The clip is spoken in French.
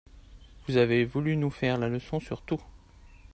Vous avez voulu nous faire la leçon sur tout.